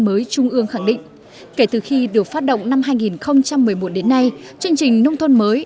mới trung ương khẳng định kể từ khi được phát động năm hai nghìn một mươi một đến nay chương trình nông thôn mới